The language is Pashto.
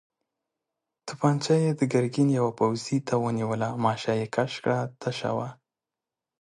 توپانجه يې د ګرګين يوه پوځي ته ونيوله، ماشه يې کش کړه، تشه وه.